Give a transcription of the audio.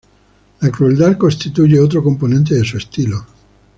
La crueldad constituye otro componente de su estilo.